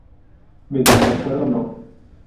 Mediante Acuerdo No.